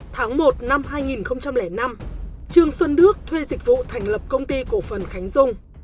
tháng một năm hai nghìn năm trương xuân đức thuê dịch vụ thành lập công ty cổ phần khánh dung